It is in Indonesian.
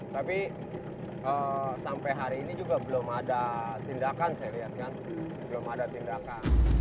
tapi sampai hari ini juga belum ada tindakan saya lihat kan belum ada tindakan